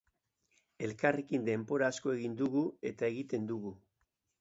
Elkarrekin denbora asko egin dugu eta egiten dugu.